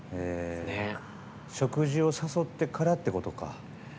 食事を誘ってからってことか。